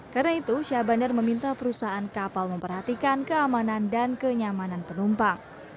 karena itu syah bandar meminta perusahaan kapal memperhatikan keamanan dan kenyamanan penumpang